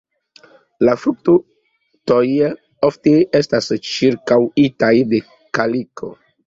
La fruktoj ofte estas ĉirkaŭitaj de kaliko.